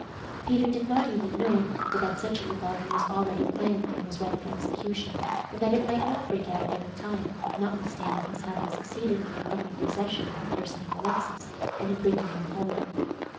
Peter did not even know but that such a rebellion was already planned and was ripe for execution, and that it might not break out at any time, notwithstanding his having succeeded in recovering possession of the person of Alexis, and in bringing him home.